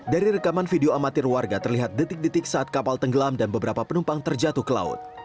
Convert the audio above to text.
dari rekaman video amatir warga terlihat detik detik saat kapal tenggelam dan beberapa penumpang terjatuh ke laut